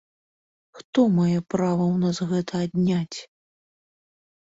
Хто мае права ў нас гэта адняць?!